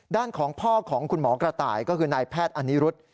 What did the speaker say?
ด้านของพ่อของคุณหมอกระต่ายก็คือนายแพทย์อนิรุธ